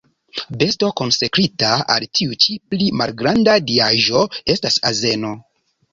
Besto konsekrita al tiu ĉi pli malgranda diaĵo estas azeno.